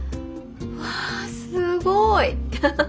わあすごい！